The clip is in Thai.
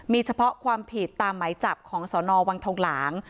มีเฉพาะความผิดตามหมายจับของสนวังทองหลาง